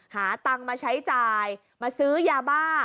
หาตังค์มาใช้จ่ายมาซื้อยาบ้า